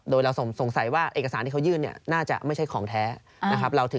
โดยเราสงสัยว่าเอกสารที่เขายื่นเนี่ยน่าจะไม่ใช่ของแท้นะครับ